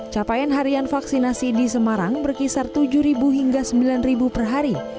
capaian harian vaksinasi di semarang berkisar tujuh hingga sembilan per hari